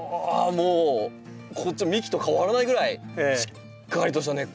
もうこっちの幹と変わらないぐらいしっかりとした根っこ。